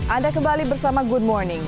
anda kembali bersama good morning